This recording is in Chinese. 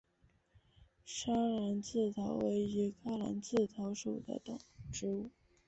砂蓝刺头为菊科蓝刺头属的植物。